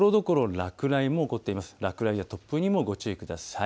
落雷や突風にもご注意ください。